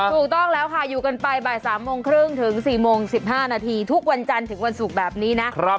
ถูกต้องแล้วค่ะอยู่กันไปบ่าย๓โมงครึ่งถึง๔โมง๑๕นาทีทุกวันจันทร์ถึงวันศุกร์แบบนี้นะ